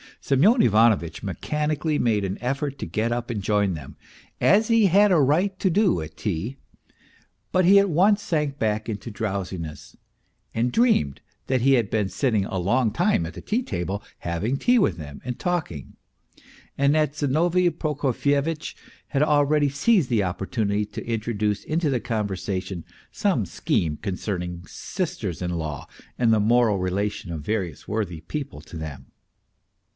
Semyon Ivanovitch mechanically made an effort to get up and join them, as he had a right to do at tea; but he at once sank back into drowsiness, and dreamed that he had been sitting a long time at the tea table, having tea with them and talking, and that Zinovy Prokofyevitch had already seized the opportunity to introduce into the conversation some scheme concerning sisters in law and the moral relation of various worthy people to them.